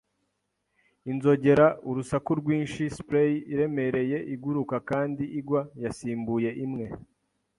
inzogera; urusaku rwinshi, spray iremereye iguruka kandi igwa, yasimbuye imwe